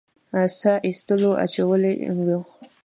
ساه ایستلو اچولي وو.